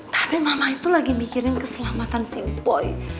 tapi mama itu lagi mikirin keselamatan si poi